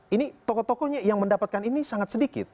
ini tokoh tokohnya yang mendapatkan ini sangat sedikit